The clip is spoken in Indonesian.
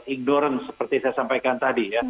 ignorance seperti saya sampaikan tadi